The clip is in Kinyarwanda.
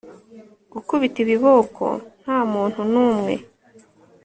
Gukubita ibiboko Nta muntu numwe